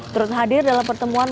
terut hadir dalam pertemuan ini